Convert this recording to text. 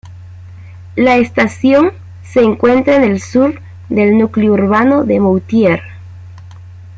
La estación se encuentra en el sur del núcleo urbano de Moutier.